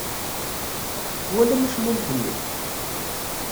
Twalam acmumeḥ-nni?